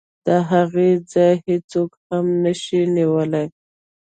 د هغې ځای هېڅوک هم نشي نیولی.